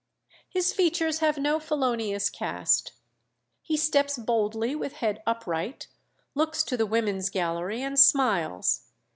His features have no felonious cast; ... he steps boldly with head upright, looks to the women's gallery, and smiles.